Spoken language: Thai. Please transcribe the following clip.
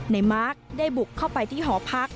มาร์คได้บุกเข้าไปที่หอพัก